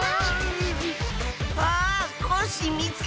あっコッシーみつけた！